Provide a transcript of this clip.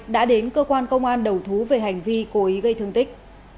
đã đến cơ quan công an đầu thú về hành vi cố ý gây thương tích